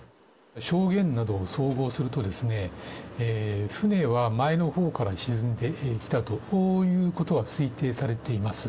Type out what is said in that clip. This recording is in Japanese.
証言などを総合すると、船は前のほうから沈んできたと、こういうことは推定されています。